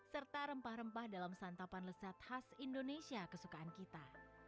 serta rempah rempah dalam santapan lezat khas indonesia kesukaan kita